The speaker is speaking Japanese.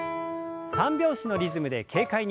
３拍子のリズムで軽快に。